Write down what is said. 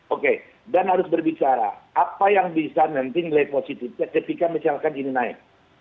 oke dan harus berbicara apa yang bisa nanti nilai positifnya ketika misalkan ini naik